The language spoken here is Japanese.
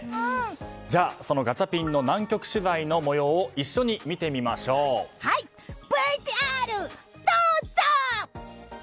では、そのガチャピンの南極取材の模様をＶＴＲ、どうぞ！